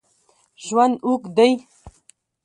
ژوند اوږد دی